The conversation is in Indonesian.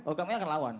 oh kami akan lawan